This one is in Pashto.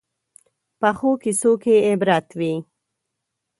پخو کیسو کې عبرت وي